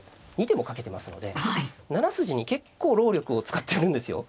２手もかけてますので７筋に結構労力を使ってるんですよ。